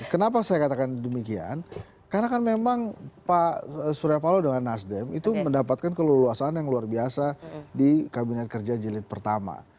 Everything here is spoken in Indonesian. kenapa saya katakan demikian karena kan memang pak surya palo dengan nasdem itu mendapatkan keleluasaan yang luar biasa di kabinet kerja jilid pertama